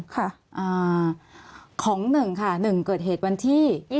ค่ะอ่าของหนึ่งค่ะหนึ่งเกิดเหตุวันที่